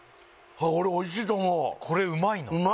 俺おいしいと思うこれうまいの？